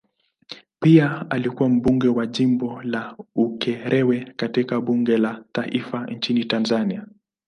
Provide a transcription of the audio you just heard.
Pia alikuwa mbunge wa jimbo la Ukerewe katika bunge la taifa nchini Tanzania.